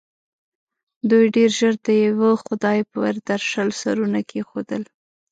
دوی ډېر ژر د یوه خدای پر درشل سرونه کېښول.